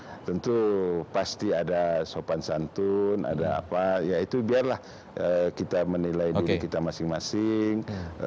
dan semua apa tentu pasti ada sopan santun ada apa ya itu biarlah kita menilai diri kita masing masing